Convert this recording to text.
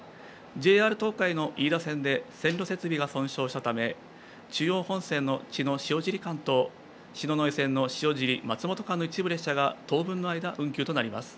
ＪＲ東海の飯田線で線路設備が損傷したため、中央本線の茅野・塩尻間と篠ノ井線の塩尻・松本間の一部列車が当分の間、運休となります。